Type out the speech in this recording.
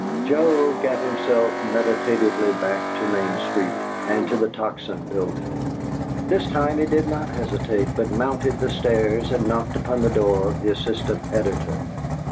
Joe gat him meditatively back to Main Street and to the Tocsin building. This time he did not hesitate, but mounted the stairs and knocked upon the door of the assistant editor.